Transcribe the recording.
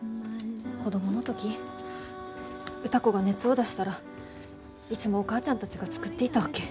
子供の時歌子が熱を出したらいつもお母ちゃんたちが作っていたわけ。